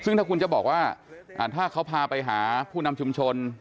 ซึ่งถ้าคุณจะบอกว่าถ้าเขาพาไปหาผู้นำชุมชน